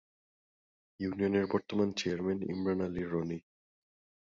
ইউনিয়নের বর্তমান চেয়ারম্যান ইমরান আলী রনি